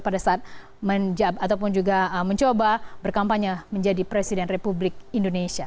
pada saat menjawab ataupun juga mencoba berkampanye menjadi presiden republik indonesia